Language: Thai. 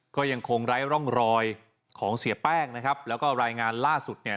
ก็ยังคงไร้ร่องรอยของเสียแป้งนะครับแล้วก็รายงานล่าสุดเนี่ย